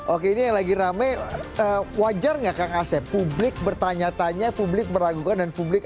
oke ini yang lagi rame wajar nggak kang asep publik bertanya tanya publik meragukan dan publik